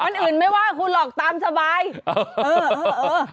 คนอื่นไม่ว่าคุณหรอกตามสบายเออเออเออ